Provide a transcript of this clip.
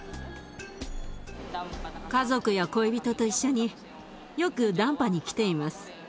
家族や恋人と一緒によくダンパに来ています。